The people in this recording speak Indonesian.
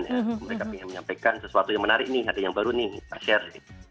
mereka ingin menyampaikan sesuatu yang menarik nih ada yang baru nih pak share